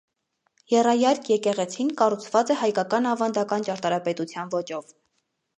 Եռայարկ եկեղեցին կառուցուած է հայկական աւանդական ճարտարապետութեան ոճով։